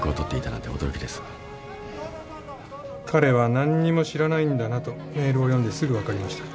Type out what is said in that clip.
彼は何にも知らないんだなとメールを読んですぐ分かりました。